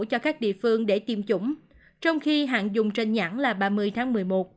cho các địa phương để tiêm chủng trong khi hạn dùng trên nhãn là ba mươi tháng một mươi một